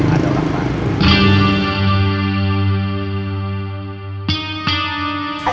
ada orang banyak